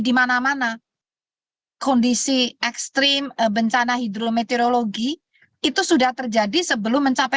dimana mana kondisi ekstrim bencana hidrometeorologi itu sudah terjadi sebelum mencapai